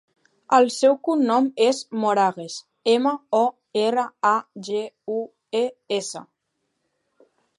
El seu cognom és Moragues: ema, o, erra, a, ge, u, e, essa.